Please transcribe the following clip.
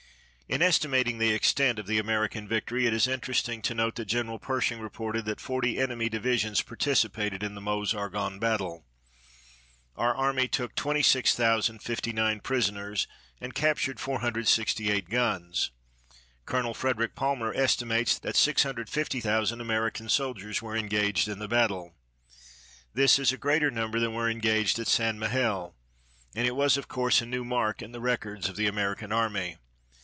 In estimating the extent of the American victory it is interesting to note that General Pershing reported that forty enemy divisions participated in the Meuse Argonne battle. Our army took 26,059 prisoners and captured 468 guns. Colonel Frederick Palmer estimates that 650,000 American soldiers were engaged in the battle. This is a greater number than were engaged at St. Mihiel, and it was, of course, a new mark in the records of the American Army.